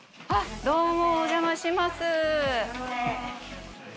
どうもお邪魔します。